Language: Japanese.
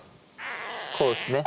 こうですね。